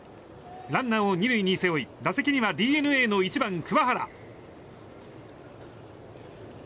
ランナーを２塁に背負い打席にはＤｅＮＡの１番、桑原。